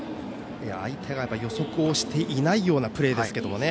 相手が予測をしていないプレーですけどね。